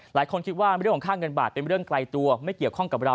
หลายคนคิดว่าเรื่องของค่าเงินบาทเป็นเรื่องไกลตัวไม่เกี่ยวข้องกับเรา